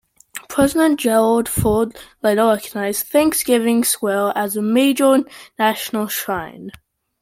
President Gerald Ford later recognized Thanks-Giving Square as a major national shrine.